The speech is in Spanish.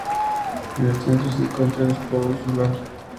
En el centro se encuentra el escudo insular.